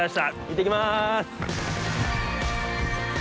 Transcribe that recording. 行ってきます。